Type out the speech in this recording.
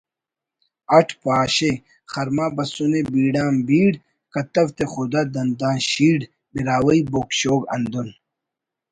اٹ پاش ءِ: خرما بسنے بیڑان بیڑ کتوتہ خدا دندان شیڑ براہوئی بوگ شوگ ہندن